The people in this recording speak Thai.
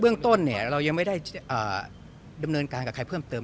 เรื่องต้นเรายังไม่ได้ดำเนินการกับใครเพิ่มเติม